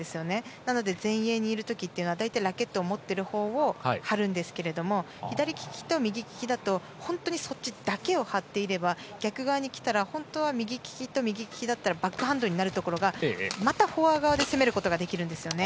なので前衛にいるときというのは大体ラケットを持っているほうを張るんですけれども左利きと右利きだと本当にそっちだけを張っていれば逆側にきたら本当は右利きと右利きだったらバックハンドになるところがまたフォア側で攻めることができるんですよね。